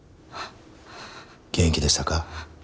元気でしたか？